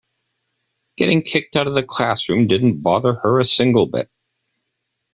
Getting kicked out of the classroom didn't bother her a single bit.